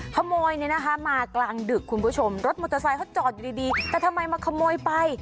ขโมยเนี่ยนะคะมากลางดึกคุณผู้ชมรถมอเตอร์ไซค์เขาจอดอยู่ดีแต่ทำไมมาขโมยไป